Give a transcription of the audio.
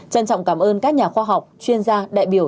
trân trọng cảm ơn các nhà khoa học chuyên gia đại biểu